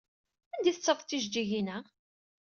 Anda ay tettafeḍ tijejjigin-a?